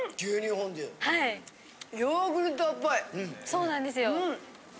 そうなんですよ。